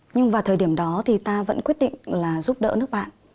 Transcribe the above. nhưng vào thời điểm đó thì ta vẫn quyết định là giúp đỡ nước bạn